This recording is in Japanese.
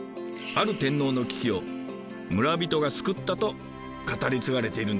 ある天皇の危機を村人が救ったと語り継がれているんですよ。